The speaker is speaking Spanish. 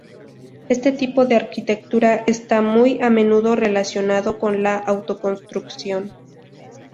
Este tipo de arquitectura está muy a menudo relacionado con la autoconstrucción.